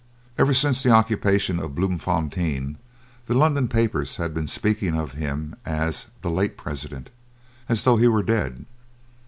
Ever since the occupation of Bloemfontein, the London papers had been speaking of him as "the Late President," as though he were dead.